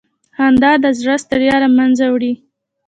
خندا د زړه ستړیا له منځه وړي.